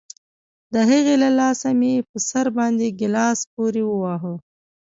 د هغې له لاسه مې په سر باندې گيلاس پورې وواهه.